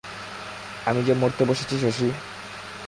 আমি যে মরতে বসেছি শশী?